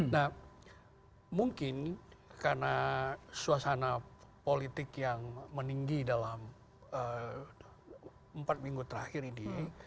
nah mungkin karena suasana politik yang meninggi dalam empat minggu terakhir ini